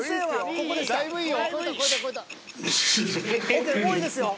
［ＯＫもういいですよ］